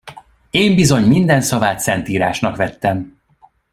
Én bizony minden szavát szentírásnak vettem.